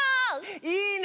いいね！